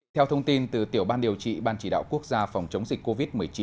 theo thông tin từ tiểu ban điều trị ban chỉ đạo quốc gia phòng chống dịch covid một mươi chín